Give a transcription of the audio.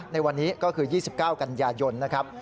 ในวันนี้ก็คือ๒๙กันยายนนะครับ